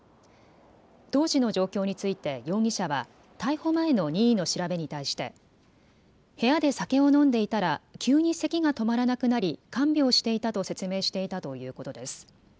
当時の状況について容疑者は逮捕前の任意の調べに対して部屋で酒を飲んでいたら急にせきが止まらなくなり看病していたと説明していたということです。